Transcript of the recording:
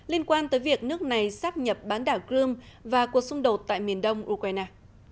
liên quan tới việc nước này sắp nhập bán đảo crimea và cuộc xung đột tại miền đông ukraine